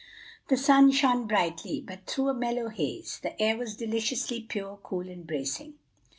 The sun shone brightly, but through a mellow haze; the air was deliciously pure, cool, and bracing.